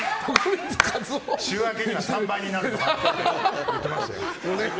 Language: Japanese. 週明けには３倍になるって言ってましたよ。